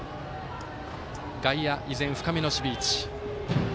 外野、依然深めの守備位置。